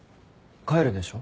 帰るでしょ？